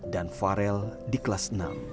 dan farel di kelas enam